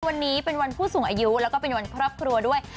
วันนี้เป็นวันผู้สูงอายุแล้วก็เป็นวันครอบครัวด้วย